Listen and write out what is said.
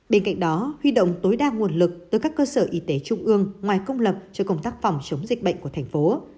bên cạnh đó huy động tối đa nguồn lực tới các cơ sở y tế trung ương ngoài công lập cho công tác phòng chống dịch bệnh của thành phố